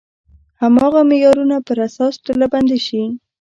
هماغه معیارونو پر اساس ډلبندي شي.